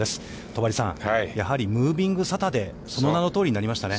戸張さん、やはりムービングサタデー、その名のとおりになりましたね。